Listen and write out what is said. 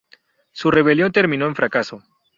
Su rebelión terminó en fracaso.